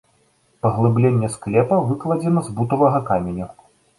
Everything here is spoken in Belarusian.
Паглыбленне склепа выкладзена з бутавага каменю.